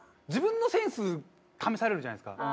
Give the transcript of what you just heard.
自分のセンス試されるじゃないですか。